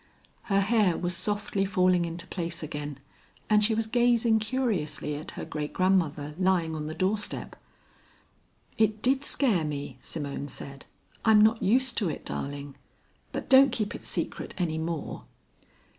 Her hair was softly falling into place again, and she was gazing curiously at her great grandmother lying on the doorstep. "It did scare me," Simone said. "I'm not used to it, darling. But don't keep it secret any more."